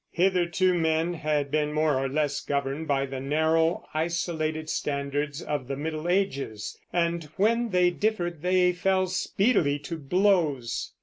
Hitherto men had been more or less governed by the narrow, isolated standards of the Middle Ages, and when they differed they fell speedily to blows.